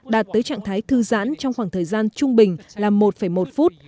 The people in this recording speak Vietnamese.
đạt tới trạng thái thư giãn trong khoảng thời gian trung bình là một một phút